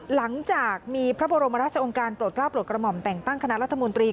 หลังจากมีพระบรมราชองค์การโปรดกล้าโปรดกระหม่อมแต่งตั้งคณะรัฐมนตรี